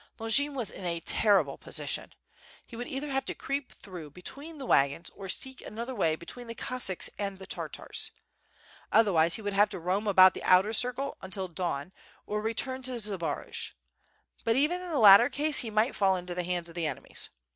Longin was in a terrible position. He would either have to creep through between the wagons or seek another way be tween the Cossacks and the Tartars. Otherwise he would have to roam about the outer circle until dawn, or return to Zbaraj. But even in the latter case he might fall into the hands of the enemies.